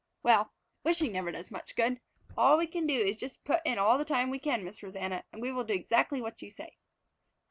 Well, wishing never does much good. All we can do is just put in all the time we can, Miss Rosanna, and we will do exactly what you say.